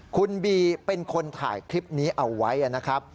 คุณบีเป็นคนถ่ายคลิปนี้เอาไว้นะครับ